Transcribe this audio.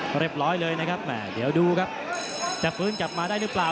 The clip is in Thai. เรียบร้อยเลยนะครับเดี๋ยวดูครับจะฟื้นกลับมาได้หรือเปล่า